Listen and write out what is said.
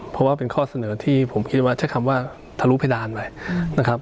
เพราะว่าเป็นข้อเสนอที่ผมคิดว่าใช้คำว่าทะลุเพดานไปนะครับ